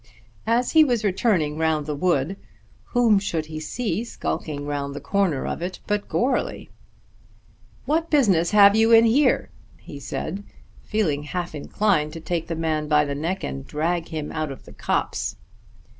As he was returning round the wood, whom should he see skulking round the corner of it but Goarly? "What business have you in here?" he said, feeling half inclined to take the man by the neck and drag him out of the copse.